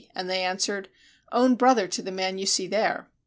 and they answered, "Own brother to the man you see there."